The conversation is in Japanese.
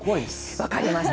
分かりました。